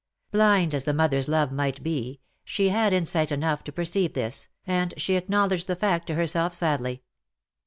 Blind as the mother^s love might be, she had insight enough to perceive this, and she acknowledged the fact to herself sadly.